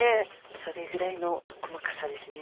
それぐらいの細かさですね。